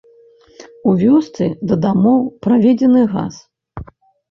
У вёсцы да дамоў праведзены газ.